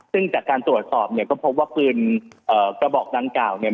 ซึ่งจากการตรวจสอบเนี่ยก็พบว่าปืนกระบอกดังกล่าวเนี่ย